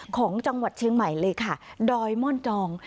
ของจังหวัดเชียงใหม่เลยค่ะดอยม่อนจอง